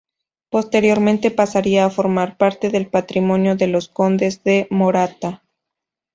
Posteriormente pasaría a formar parte del patrimonio de los Condes de Morata.